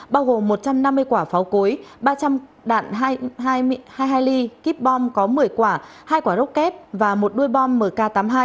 bao gồm một trăm năm mươi quả pháo cối ba trăm linh đạn hai mươi hai ly kíp bom có một mươi quả hai quả rốc kép và một đuôi bom mk tám mươi hai